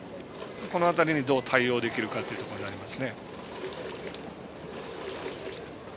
この辺りにどう対応できるかというところになります。